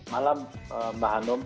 malam mbak hanum